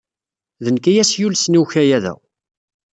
D nekk ay as-yulsen i ukayad-a.